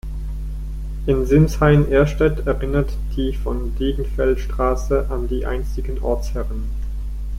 In Sinsheim-Ehrstädt erinnert die Von-Degenfeld-Straße an die einstigen Ortsherren.